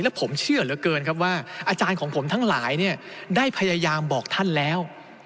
และผมเชื่อเหลือเกินครับว่าอาจารย์ของผมทั้งหลายเนี่ยได้พยายามบอกท่านแล้ว